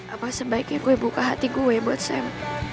apa sebaiknya gue buka hati gue buat sam